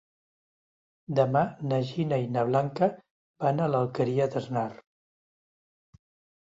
Demà na Gina i na Blanca van a l'Alqueria d'Asnar.